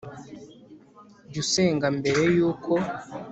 Jya usenga mbere y uko